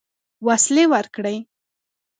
وسلې ورکړې.